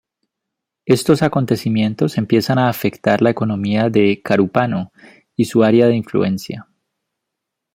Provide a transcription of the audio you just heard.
Estos acontecimientos empiezan a afectar la economía de Carúpano y su área de influencia.